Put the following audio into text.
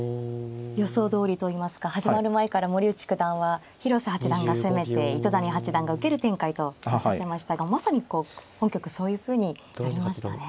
予想どおりといいますか始まる前から森内九段は広瀬八段が攻めて糸谷八段が受ける展開とおっしゃってましたがまさに本局そういうふうになりましたね。